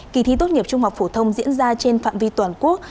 kỳ thi tốt nghiệp trung học phổ thông diễn ra trên phạm vi toàn quốc